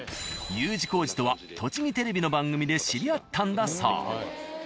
Ｕ字工事とはとちぎテレビの番組で知り合ったんだそう。